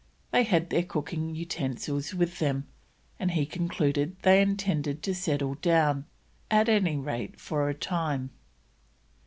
They had their cooking utensils with them, and he concluded they intended to settle down, at any rate for a time.